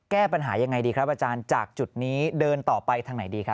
แก้ปัญหายังไงดีครับอาจารย์จากจุดนี้เดินต่อไปทางไหนดีครับ